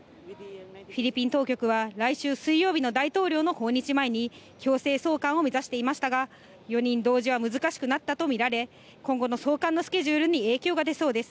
フィリピン当局は、来週水曜日の大統領の訪日前に、強制送還を目指していましたが、４人同時は難しくなったものと見られ、今後の送還のスケジュールに影響が出そうです。